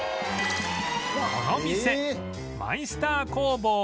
この店マイスター工房